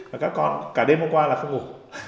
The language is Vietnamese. và các con cả đêm hôm qua là không ngủ